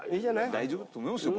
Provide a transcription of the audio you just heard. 大丈夫だと思いますよ